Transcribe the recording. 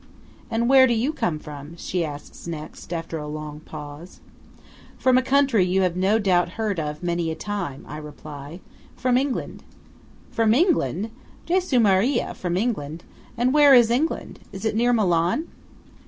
"And where do you come from?" she asks next–after a long pause. "From a country you have no doubt heard of many a time," I reply. "From England." "From England! Jesu Maria! From England! And where is England? Is it near Milan?